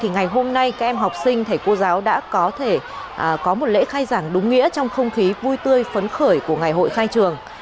ngày hôm nay các em học sinh thầy cô giáo đã có thể có một lễ khai giảng đúng nghĩa trong không khí vui tươi phấn khởi của ngày hội khai trường